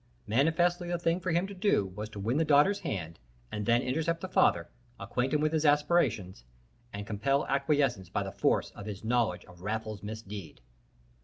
Manifestly the thing for him to do was to win the daughter's hand, and then intercept the father, acquaint him with his aspirations, and compel acquiescence by the force of his knowledge of Raffles's misdeed.